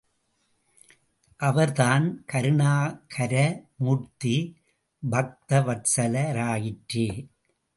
அவர் தான் கருணாகர மூர்த்தி, பக்தவத்சல ராயிற்றே.